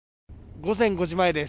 午前５時前です